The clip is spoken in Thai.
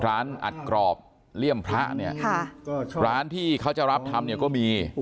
ร้านอัดกรอบเลี่ยมพระเนี่ยค่ะร้านที่เขาจะรับทำเนี่ยก็มี